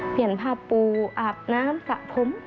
เปลี่ยนผ้าปูอาบน้ำสระพร้ม